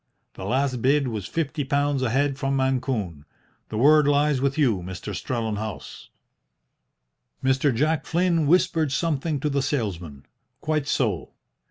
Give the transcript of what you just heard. The last bid was fifty pounds a head from Mancune. The word lies with you, Mr. Strellenhaus." Mr. Jack Flynn whispered something to the salesman. "Quite so!